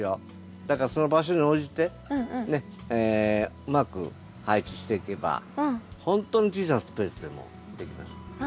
だからその場所に応じてうまく配置していけばほんとに小さなスペースでもできます。